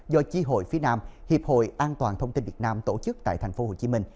do chi hội phía nam hiệp hội an toàn thông tin việt nam tổ chức tại tp hcm